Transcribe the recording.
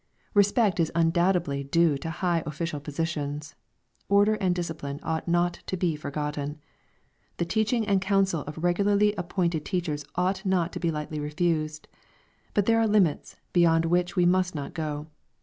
Kespect is undoubtedly due to high official position. Or der and discipline ought not to be forgotten. The teach ing and counsel of regularly appointed teachers ought not to be lightly refused. — But there are limits beyond "which we must not go.